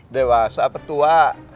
dewasa apa tua